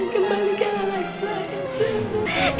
kembalikan anak saya